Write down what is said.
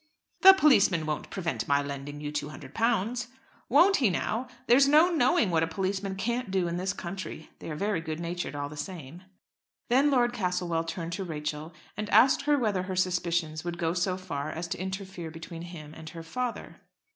"The policeman won't prevent my lending you £200." "Won't he now? There's no knowing what a policeman can't do in this country. They are very good natured, all the same." Then Lord Castlewell turned to Rachel, and asked her whether her suspicions would go so far as to interfere between him and her father.